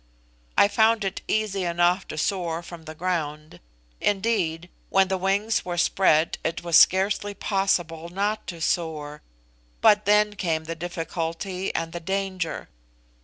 I found it easy enough to soar from the ground; indeed, when the wings were spread it was scarcely possible not to soar, but then came the difficulty and the danger.